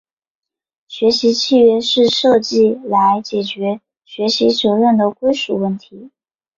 学习契约是设计来解决学习责任的归属问题。